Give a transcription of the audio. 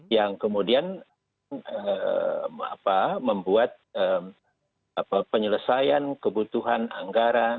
yang kemudian membuat penyelesaian kebutuhan anggaran